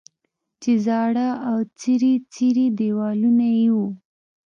چې زاړه او څیري څیري دیوالونه یې وو.